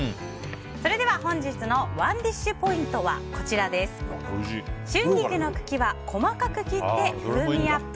それでは本日のＯｎｅＤｉｓｈポイントは春菊の茎は細かく切って風味アップ！